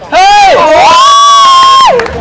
เฮ้ย